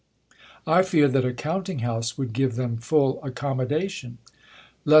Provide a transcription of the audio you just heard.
I fear that a countmg house would give them full accommodation. Lest.